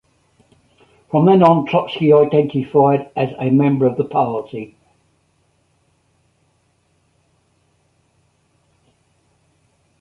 From then on Trotsky identified as a member of the party.